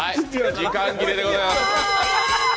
時間切れでございます。